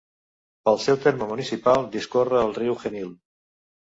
Pel seu terme municipal discorre el riu Genil.